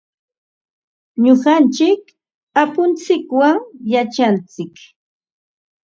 Nuqanchik apuntsikwan yachantsik.